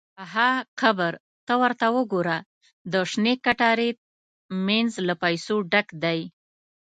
– ها قبر! ته ورته وګوره، د شنې کتارې مینځ له پیسو ډک دی.